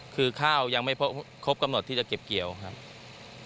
คือข้าวยังไม่ครบกำหนดที่จะเก็บเกี่ยวครับ